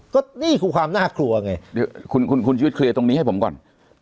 ก็นี่คือความน่ากลัวไงเดี๋ยวคุณชีวิตเคลียร์ตรงนี้ให้ผมก่อน